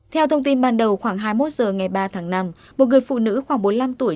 theo thông tin ban đầu khoảng hai mươi một h ngày ba tháng năm một người phụ nữ khoảng bốn mươi năm tuổi